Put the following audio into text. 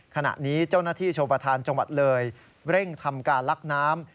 ขณะนี้เจ้าหน้าที่ชมประธานจังหวัดเลยเร่งทำการลักน้ำ